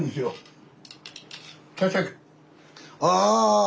ああ！